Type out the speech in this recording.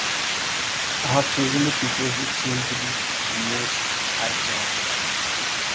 I have chosen the features which seemed to be the most archaic.